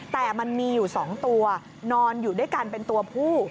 แต่มันมีอยู่๒ตัวนอนอยู่ด้วยกันเป็นตัวผู้